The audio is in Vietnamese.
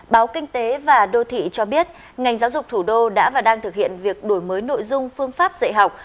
báo kinh tế và đô thị cho biết ngành giáo dục thủ đô đã và đang thực hiện việc đổi mới nội dung phương pháp dạy học